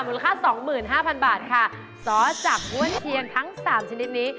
มูลค่า๒๕๐๐๐บาทค่ะซ้อจักรอ้วนเทียนทั้ง๓ชนิดนี้